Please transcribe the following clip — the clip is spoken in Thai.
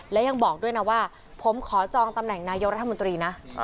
และยังบอกด้วยนะว่าผมขอจองตำแหน่งนายกรัฐมนตรีนะ